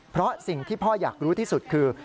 เพราะสิ่งที่พ่ออยากรู้ที่สุดคือ